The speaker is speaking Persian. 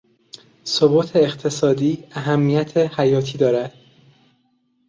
ثبات اقتصادی اهمیت حیاتی دارد.